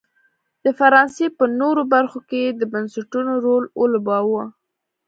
د فرانسې په نورو برخو کې یې د بنسټونو رول ولوباوه.